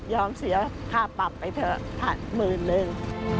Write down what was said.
ยอมเสียค่าปรับไปเถอะถัดหมื่นลึง